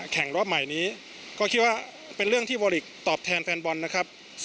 แข่งรอบใหม่นี้ก็คิดว่าเป็นเรื่องที่วอลิกตอบแทนแฟนบอลนะครับ